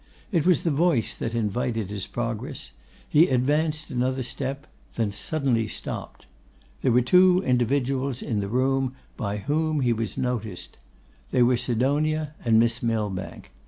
It was the voice that invited his progress; he advanced another step, then suddenly stopped. There were two individuals in the room, by whom he was unnoticed. They were Sidonia and Miss Millbank.